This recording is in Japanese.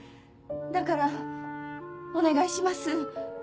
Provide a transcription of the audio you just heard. だからお願いします。